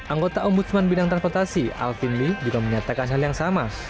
anggota ombudsman bidang transportasi alvin lee juga menyatakan hal yang sama